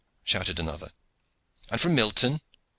shouted another. "And from Milton!"